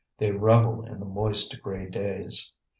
They revel in the moist gray days.